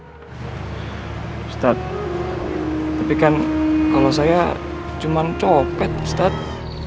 ustadz tapi kan kalau saya cuma copet ustadz